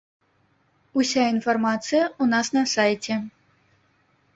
Уся інфармацыя ў нас на сайце.